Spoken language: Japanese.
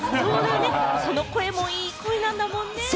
その声もいい声なんだもんね。